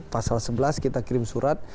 pasal sebelas kita kirim surat